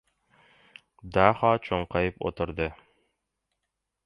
Daho cho‘nqayib o‘tirdi.